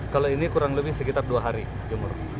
kalau ini kurang lebih sekitar dua hari jemur